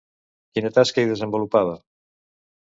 Quina tasca hi desenvolupava?